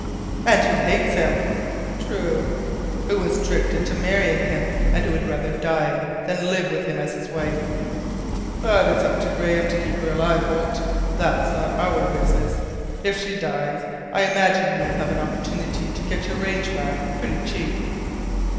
"And who hates him." "True." "Who was tricked into marrying him, and who would rather die than live with him as his wife." "But it's up to Graham to keep her alive, Holt. That's not our business. If she dies, I imagine you will have an opportunity to get your range back pretty cheap."